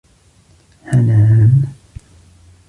حنان